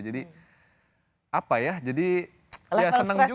jadi apa ya jadi ya seneng juga gitu